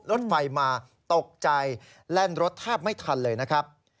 รถไฟมาตกใจแล่นรถแทบไม่ทันเลยนะครับ